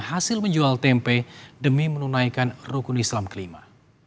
hasil menjual tempe demi menunaikan rukun islam kelima